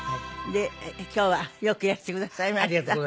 今日はよくいらしてくださいました。